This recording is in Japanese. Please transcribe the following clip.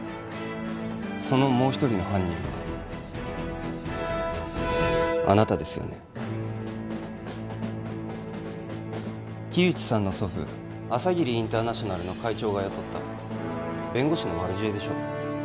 そのもう一人の犯人はあなたですよね木内さんの祖父朝霧インターナショナルの会長が雇った弁護士の悪知恵でしょう